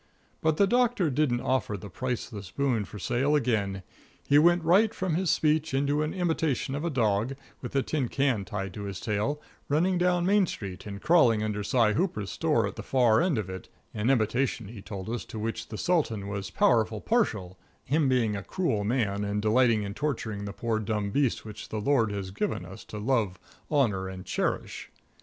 But the Doctor didn't offer the Priceless Boon for sale again. He went right from his speech into an imitation of a dog, with a tin can tied to his tail, running down Main Street and crawling under Si Hooper's store at the far end of it an imitation, he told us, to which the Sultan was powerful partial, "him being a cruel man and delighting in torturing the poor dumb beasts which the Lord has given us to love, honor and cherish."